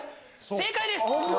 正解です。